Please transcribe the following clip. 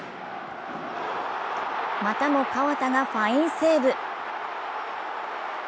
またも河田がファインセーブ。